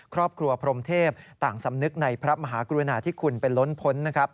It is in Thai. ครอบครัวพรมเทพต่างสำนึกในพระมหากรุณาที่คุณเป็นล้นพ้น